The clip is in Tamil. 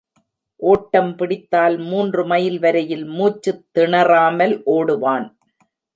ஓட்டம் பிடித்தால் மூன்று மைல் வரையில் மூச்சுத் திணறாமல் ஓடுவான்.